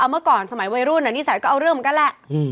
เมื่อก่อนสมัยวัยรุ่นนิสัยก็เอาเรื่องเหมือนกันแหละ